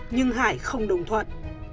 nhưng hải không đồng thuận